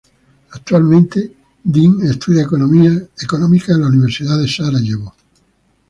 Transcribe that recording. Actualmente, Deen estudia económicas en la universidad de Sarajevo.